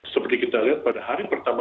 seperti kita lihat pada hari pertama